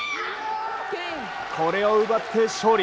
これを奪って勝利！